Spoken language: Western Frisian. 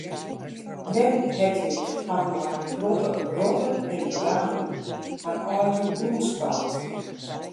Mem Hedwig hat mei in protte wrotten en wramen har eigen hûs boud.